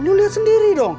lo lihat sendiri dong